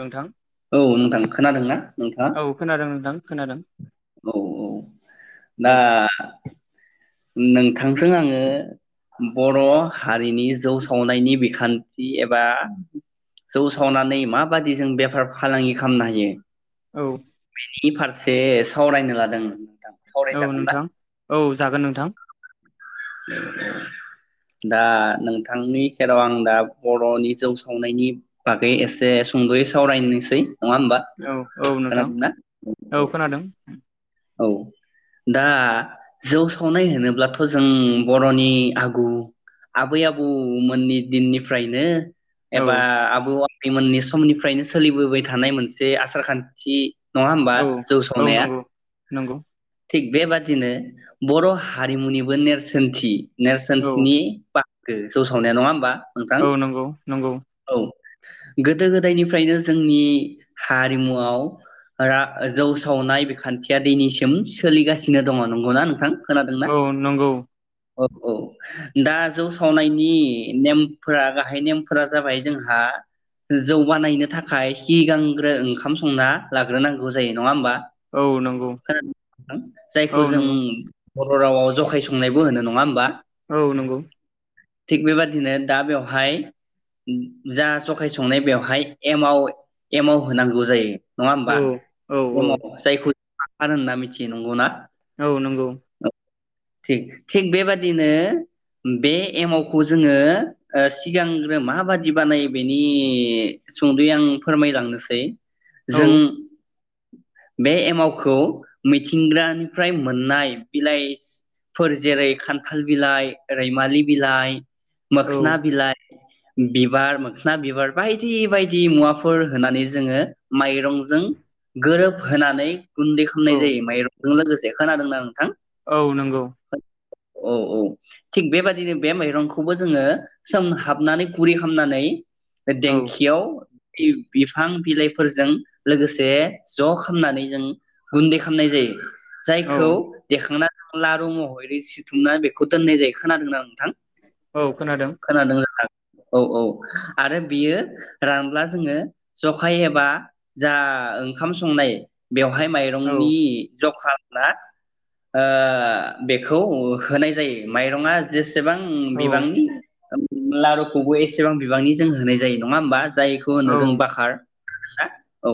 नोंथां औ नोंथां खोनादोंना नोंथाङा। औ खोनादों नोंथां खोनादों औ औ ना औ नोंथांजों आङो बर'हारिनि जौ सावनायनि बिखान्थि एबा जौ सावनानै माबादि जों बेफार फालांगि खामनो हायो। औ बिनि फार एसे सावरायनो लादों नोंथां। औ सावरायजागोन ना नोंथां औ। जागोन नोंथां। दा नोंथांनि सेराव आं दा बर'नि जौ सावनायनि बागै एसे सुंदयै सावरायनोसै। नङा होमबा औ औ नोंथां खोनादोंना औ खोनादों। औ दा जौ सावनाय होनोब्लाथ जों बर'नि आगु आबै आबौमोननि दिननिफ्रायनो। एबा औ आबौआ। मोननि समनिफ्रायनो सोलिबोबाय थानाय मोनसे आसार खान्थि। नङा होमबा औ जौ औ संनाया नंगौ नंगौ। थिग बेबादिनो बर' हारिमुनिबो नेरसोनथि औ नेरसोनथिनि [unintelligible] [unintelligible] जौ सावनाया नङा होनोमबा? औ नंगौ नंगौ। गोदो गोदायनिफ्रायनो जोंनि हारिमुआव आ जौ सावनाय बिखान्थि दिनैनिसिम सोलिगासिनो दङ नंगौना नोंथां। औ नंगौ। अ औ औ नंगौ खोना [unintelligible] औ जायखौ जों नंगौ बर'रावाव जखाय संनायबो होनो नङा होमबा? औ नंगौ। थिग बेबादिनो दा बेवहाय जा जखाय संनाय बेवहाय एमाव एमाव होनांगौ जायो। नङा औ होमबा औ औ [unintelligible] जायखौ [unintelligible] होनना मिथियो नंगौ ना? औ नंगौ। थिग थिग बेबादिनो बे एमावखौ जोङो सिगांग्रो माबादि बानायो बेनि सुंदुयै आं फोरमायलांनोसै औ जों। बे एमाव। खौ मिथिंग्रानिफ्राय मोननाय बिलाइफोर जेरै खान्थाल बिलाइ रैमालि बिलाइ औ मोखना बिलाइ बिबार मोखोन बिबार बायदि बायदि मुवाफोर होनानै जोङो माइरंजों गोरोबहोनानै गुन देखोनाय औ जायो माइरं लोगोसे खोनादोंना आं। औ नंगौ। औ औ थिग बेबायदिनो बे माइरंखौबो जोङो सोमहाबनानै गुरै खामनानै बे औ देंखियाव बि-बिफां बिलाइफोरजों लोगोसे ज' खामनानै जों गुन्दै खामनाय जायो। औ जायखौ देखांना लारु महरै सिथुमना बेखौ दोननाय जायो खोनादोंना नोंथां? औ खोनादों। औ औ आरो बियो रानब्ला जोङो जखाय एबा जा ओंखाम संनाय बेव हाय औ माइरंनि जखा ना ओ बेखौ होनाय जायो माइरङा जेसे सेबां औ बिबांनि लारुखौबो एसेबां बिबांनि जों होनाय जायो नङा होमबा? जायखौ होनो जों औ बाखार खोनादों ना? औ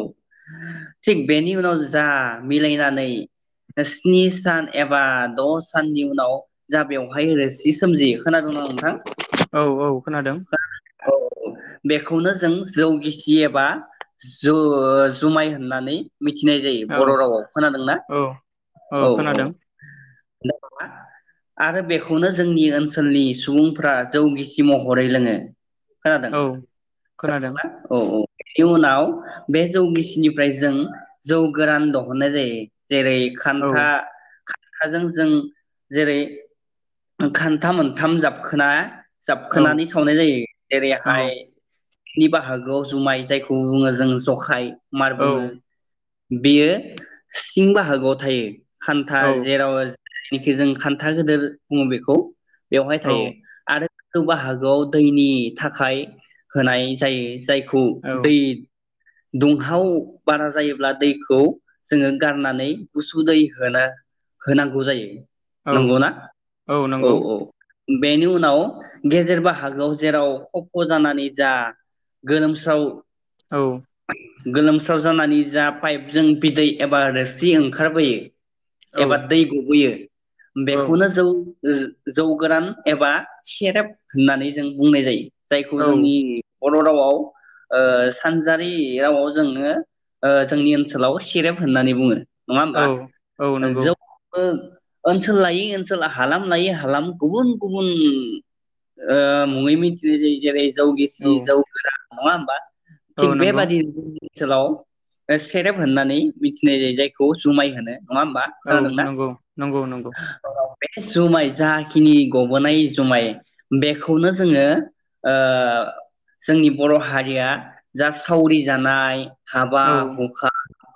थिग बेनि उनाव जा मिलायनानै स्नि सान एबा द' साननि उनाव जा बेवहाय रोसि सोमजियो खोनादों ना नोंथां? औ औ खोनादों। औ बेखौनो जों जौगिसि एबा जु-जुमाय होननानै मिथिनाय जायो। बर' औ रावआव खोनादोंना? औ औ औ। [unintelligible] आरो बेखौनो जोंनि ओनसोलनि सुबुंफ्रा जौगिसि महरै लोङो। खोनादों औ खोनादों खोनादोंना औ औ। इयुनाव बे जौ गिसिनिफ्राय जों जौ गोरान दहनाय जायो। जेरै खान्था औ खाजों जों जेरै खान्था मोनथाम जाबखोना औ जाबखोनानै सावनाय जायो। औ जेरैहाय नि बाहागोआव जुमाय जायखौ बुङो जों जखाय मार औ बुङो। बेयो सिं बाहागोआव थायो। खान्था औ जेराव जायनिखि जों खान्था गोदोर बुङो बेखौ। बेवहाय औ थायो आरो खौ बाहागोआव दैनि थाखाय होनाय जायो। जायखौ औ दै दुंहाव बारा जायोब्ला दैखौ जोङो गारनानै गुसु दै होना होनांगौ जायो। औ नंगौना औ औ। बेनि उनाव गेजेर बाहागोआव जेराव खफ जानानै जा गोलोमस्राव औ गोलोमस्राव जानानै जा पाइपजों बिदै एबा रोसि ओंखारबोयो औ एबा दै गबोयो औ बेखौनो जौ जो-जौ गोरान एबा सेरेब होननानै जों बुंनाय जायो। जायखौ औ जोंनि बर' रावाव ओ सानजारि रावाव जोङो ओ जोंनि ओनसोलाव सेरेब होननानै बुङो। नङा होमबा? औ नंगौ [unintelligible] ओनसोल लायै ओनसोल हालाम लायै हालाम गुबुन गुबुन ओ मुङै मिथिनाय जायो जेरै जौ औ गिसि जौ गोरान नङा होमबा? थिग औ नंगौ बेबादि सोलाव सेरेब होननानै मिथिनाय जायो जायखौ जुमाय होनो। नङा होमबा औ खोनादोंना? नंगौ नंगौ नंगौ बे जुमाय जाखिनि गबोनाय जुमाय बेखौनो जोङो ओ जोंनि बर' हारिया जा सावरि जानाय हाबा औ हुखा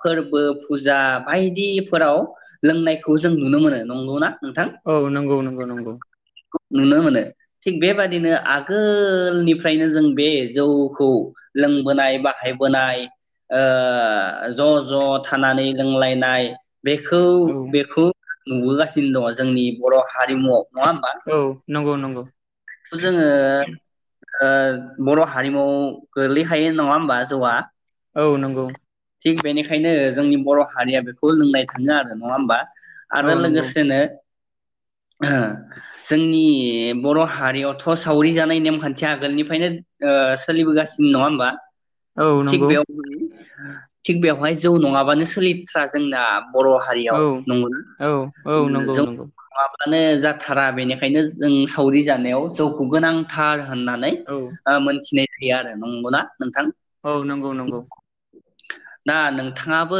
फोरबो फुजा बायदिफोराव लोंनायखौ जों नुनो मोनो। नंगौना? नोंथां औ नंगौ नंगौ नंगौ। नुनो मोनो थिग बेबादिनो आगोलनिफ्रायनो जों बे जौखौ लोंबोनाय बाहायबोनाय ओ ज' ज‌' थानानै लोंलायनाय बेखौ औ बेखौ नुबोगासिनो दङ जोंनि बर' हारिमुआव। नङा होमबा औ नंगौ नंगौ। [inaudible] जोङो ओ बर' हारिमु गोलैखायो नङा होमबा जौआ? औ नंगौ। थिग बेनिखायनो जोंनि बर' हारिया बेखौ लोंनाय थाङो आरो नङा होमबा? औ आरो नंगौ लोगोसेनो जोंनि बर' हा हारियावथ' सावरि जानाय नेमखान्थिया आगोलनिफ्रायनो ओ सोलिबोगासिनो नङा होनबा औ थिग नंगौ बेयावबो थिग बेवहाय जौ नङाबानो सोलिथ्रा जोंना बर' औ हारियाव नंगौना औ औ नंगौ जों नंगौ माने जाथारा बेनिखायनो जों सावरि जानायाव जौखौ गोनांथार। होननानै औ मोनथिनाय [unintelligible] आरो नंगौना नोंथां औ नंगौ नंगौ। दा नोंथाङाबो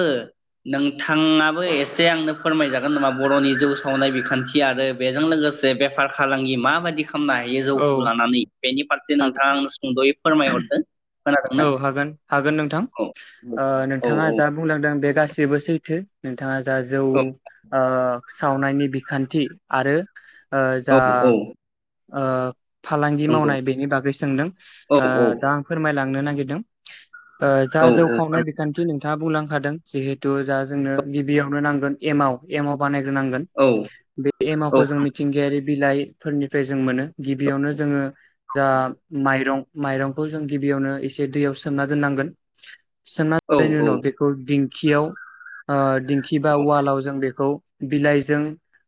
नोंथाङाबो एसे आंनो फोरमायजागोन नामा बर'नि जौ सावनाय बिखान्थि आरो बेजों लोगोसे बेफार फालांगि माबायदि खामनो हायो औ जौखौ लानानै। बेनि फारसे हागोन नोंथाङा आं सुंदयै फोरमायहरदो। खोनादोंना औ हागोन हागोन नोंथां औ औ नोंथाङा जा बुंलांदों बे गासिबो सैथो। बिथाङा जा जौ औ ओ सावनायनि बिखान्थि आरो ओ औ जा औ ओ फालांगि नंगौ मावनाय बेनि बागै सोंदों औ ओ औ दा आं फोरमायलां नो नागिरदों जा औ जौ औ खावनाय बिखान्थि नोंथाङा बुंलां दों जिहे जोंनो गिबियावनो नांगोन एमाव एमाव बानाय ग्रो नांगोन औ बे एमाखौ जों मिथिंगायारि बिलाइफोरनिफ्राय जों मोनो गिबियावनो जोङो जा माइरं माइरंखौ जों गिबियावनो एसे दैयाव सोमना दोननांगोन सोनना औ जनायनि उनाव बेखौ दिं खियाव ‌आ दिंखि बा अवालाव जों बेखौ बिलाइजों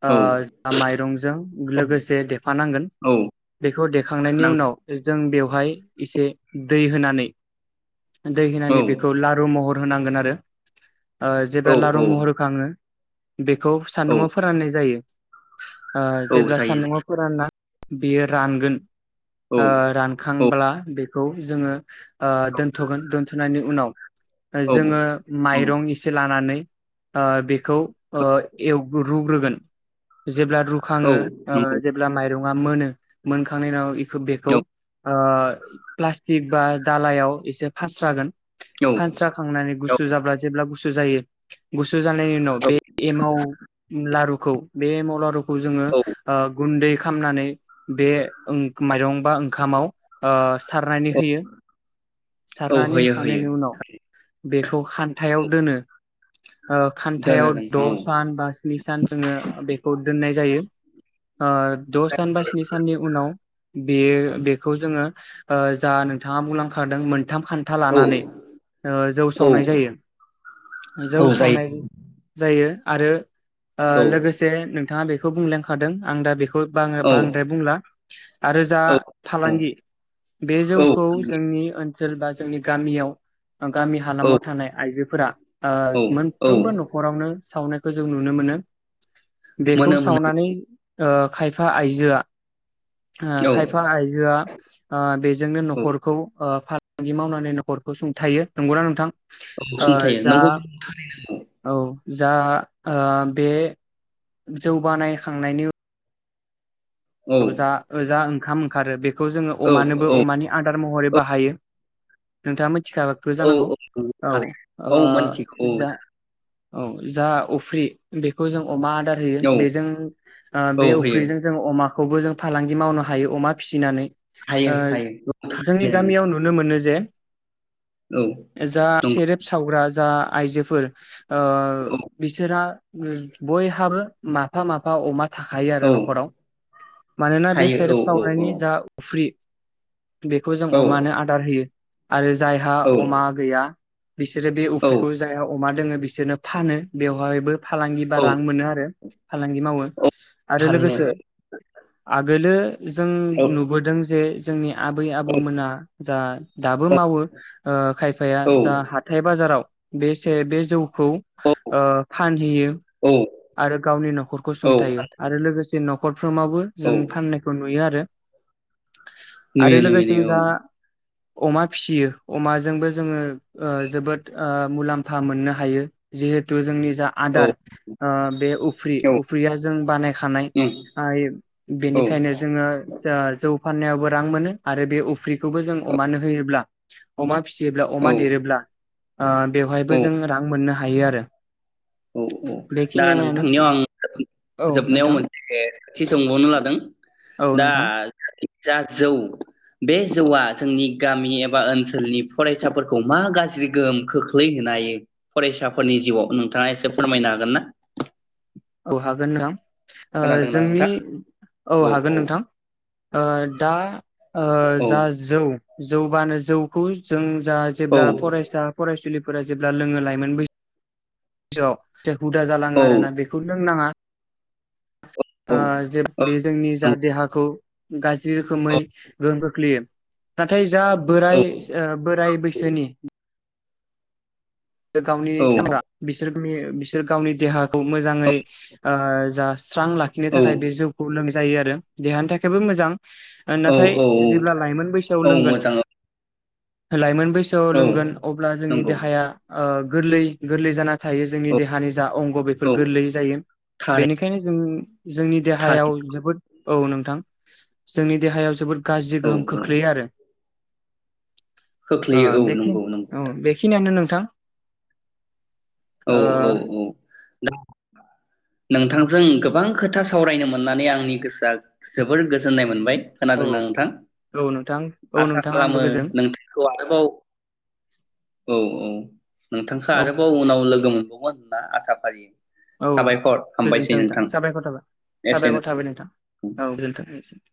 आ औ जा माइरंजों औ लोगोसे देफानांगोन औ बेखौ देखांनायनि नां उनाव जों बेव फाय इसे दै होनानै दै औ होनानै बेखौ लारु महर [unintelligible] आरो ओ औ जेब्ला लारु औ महर होखाङो बेखौ औ सान्दुंङाव फोराननाय जायो। [inaudible] ओ औ जेब्ला जायो सान्दुङाव फोरानना बेयो रानगोन औ ओ औ रानखांब्ला बे जोङो ओ दोन्थगोन दोन्थनायनि उनाव औ जोङो माइरं एसे लानानै ओ बे खौ ओ एव रुग्रोगोन जेब्ला राखाङो ओ नंगौ जेब्ला माइरं जे बा मोनो मोनखांनायनिनाव बेखौ आ प्लास्टिक बा दालायाव एसे फास्रागोन औ फानस्रा खांनानै औ गुसुर जाब्ला जेब्ला गु गुसु जायो गुसु जानायनि उनाव बे औ एमाव लारु खौ बे एमाव लारु खौ जोङो ओ गुनदै खामनानै बे ओंक माइरं बा ओंखामाव आ सारनानै औ होयो । औ सारनानै होयो होयो होखांनायनि उनाव बेखौ खान्थायाव दोनो ओ दोनो खान्थायाव द नोंथां सान बा स्नि सान जोङो बेखौ दोननाय जायो ओ द सान बा स्नि साननि उनाव बेयो बेखौ जोङो ओ जा नोंथाङा मुलां खादोंमोन मोनथाम खान्था औ लानानै ओ जौ औ सावनाय जायो औ जौ जायो सावनाय जायो। आरो ओ औ लोगोसे नोंथाङा बेखौ बुंला खादों आं दा बेखौ खो बाङो औ बांद्राय बुंला आरो जा औ फालांगि बे औ जौखौ नि ओनसोल बा जोंनि गामियाव गामि हालामाव थानाय आइजोफोरा ओ औ औ मोनफ्रोमबो नखरावनो सावनायखौ जों नुनो मोनो बेखौ मोनो मोनो सावनानै ओ खायफा आइजोआ ओ औ खायफा आइजोआ आ बेजोंनो औ नखर खौ फालांगि मावनानै नखरखौ सुंथायो नंगौना नोंथां? औ ओ सुंथायो जा नंगौ थारैनो नंगौ औ जा ओ बे जौ बानायखांनायनि उ औ ओजा ओजा ओं ओंखाम ओंखारो बे खौ जोङो औ अमानोबो औ अमानि आदार महरै बाहायो नोंथाङा मोन थिखाखो औ जानांगौ थारैनो ओ औ मोनथिगौ जा औ जा अफ्रि बेखौ जों अमा आदार होयो औ बेजों ओ औ बे होयो अफ्रिजों जों अमा खौबो जों फालांगि मावनो हायो अमा फिसिनानै हायो ओ हायो औ जोंनि थारैनो गामियाव नोंथां नुनो मोनो जे औ जा नंगौ सेरेब सावग्रा जा आइजोफोर ओ बिसोरहा ओ बयहाबो माफा माफा अमा थाखायो आरो औ औ नखराव मानोना बे थायो सरेब औ औ औ सावनायनि जा फ्रि बेखौ जों औ अमानो आदार होयो आरो जायहा औ अमा गैया बिसोरो बे औ उफ्रिखौ जायाव अमा दोङो बिसोरनो फानो बेवहायबो फालांगि बा औ रां मोनो आरो फालांगि मावो औ आरो थारैनो लोगोसे आगोलो जों औ नुबोदों जे जोंनि आबै आबौमोना जा दाबो मावो ओ खायफाया जा हाथाय बाजाराव बेसे बे जौ खौ ओ औ फानहैयो। आरो गावनि नखरखौ औ सुंथायो आरो लोगोसे। नखर फ्रोमावबो जों फाननायखौ नुयो आरो आरो नुयो नुयो लोगोसे नुयो औ जा अमा फिसियो अमाजोंबो जोङो ओ जोबोद ओ मुलाम्फा मोननो हायो जिहेथु जोंनि जा आदार औ ओ बे उफ्रि औ उफ्रिया जों बानायखानाय उम ओइब औ बेनिखायनो जोङो जा जौ फाननायावबो रां मोनो आरो बे उफ्रा खौबो जों अमानो होयोब्ला अमा फिसियोब्ला अमा देरोब्ला ओ बेवहायबो औ जों रां मोननो हायो आरो औ औ दा बेखिनियानो नोंथांनियाव आं औ जोबनायाव नोंथां मोनसे सोंथि सोंबावनो लादों औ दा। नोंथां जा जौ बे जौआ जोंनि गामि एबा ओनसोलनि फरायसाफोरखौ मा गाज्रि गोहोम खोख्लैहोनो हायो फरायसाफोरनि जिउआव नों थाङा इसे फोरमायनो हागोन ना। औ हागोन नोंथां। ओ खोनादोंना जोंनि नोंथां औ हागोन नोंथां। ओ दा ओ औ जा जौ। जौबानो जौखौ जों जा जेब्ला फरायसा फरायसुलि फोरा जेब्ला लोङो लायोमोन बैस साव [unintelligible] हुदा जालाङो औ आरोना बेखौ लोंनाङा। ओ जे बे जोंनि औ जा देहाखौ गाज जि औ रोखोमै गोहोम खोख्लैयो। नाथायस जा बोराय ओ बोराइ बैसोनि ओ गावनि सेंग्रा बिसोर मि बिसोर गावनि देहाखौ मोजाङै ओ जास स्रां लाखिनो औ थाखाय बे जौखौ लोंनाय जायो आरो देहानि थाखायबो मोजां। ओ औ नाथाय औ जेब्ला थारैनो लाइमोन बैसोआव औ लोंगोन मोजां औ लाइमोन बैसोआव औ लोंगोन अब्ला जोंनि नंगौ देहाया ओ गोरलै गोरलै जाना थायो जोंनि औ देहानि जा अंग बेफोर औ गोरलै जायो थारै बेनिखायनो जों जोंनि देहायाव थारैनो जोबोद औ नोंथां जोंनि देहायाव जोबोद गाज्रि औ गोहोम खोख्लैयो आरो । ओ खोख्लैयो औ नंगौ बेखिनि नंगौ ओ बेखिनि आनो नों थां औ औ औ दा नोंथांजों गोबां खोथा सावरायनो मोननानै आंनि गोसोआ जोबोर गोजोननाय मोनबाय। औ खोनादोंना नोंथां औ नोंथां औ आसा नोंथां आंबो खालामो गोजोन नोंथांखौ आरोबाव औ औ नोंथांखो औ आरोबाव उनाव लोगो मोनबावगोन होनना आसा फारियो। औ साबायखर हामबायसै गोजोनथों नोंथां साबायखर थाबाय साबायखर एसेनोसै थाबाय नोंथां औ गोजोनथों एसे